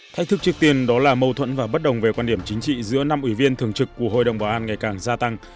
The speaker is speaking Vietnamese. thách thức trước tiên đó là mâu thuẫn và bất đồng về quan điểm chính trị giữa năm ủy viên thường trực của hội đồng bảo an ngày càng gia tăng